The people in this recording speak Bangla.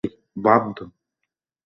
আপনি এত অব্ধি গিয়েছিলেন।